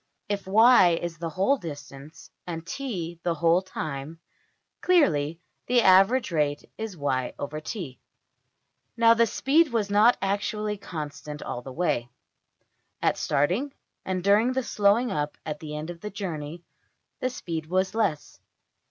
If $y$ is the whole distance, and $t$ the whole time, clearly the average rate is $\dfrac{y}{t}$. Now the speed was not actually constant all the way: at starting, and during the slowing up at the end of the journey, the speed was less.